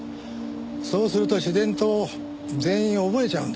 そうすると自然と全員覚えちゃうんですよ。